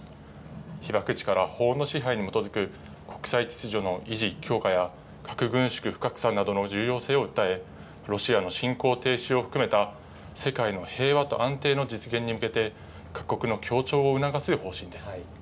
被爆地から、法の支配に基づく国際秩序の維持・強化や、核軍縮・不拡散などの重要性を訴え、ロシアの侵攻停止を含めた世界の平和の実現に向けて、各国の協調を促す方針です。